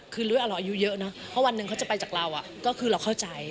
คือลุ้ยอร่อยอายุเยอะนะเพราะวันหนึ่งเขาจะไปจากเราก็คือเราเข้าใจ